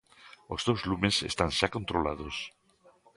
Os dous lumes están xa controlados.